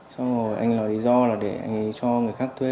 xong rồi anh ấy nói lý do là để anh ấy cho người khác thuê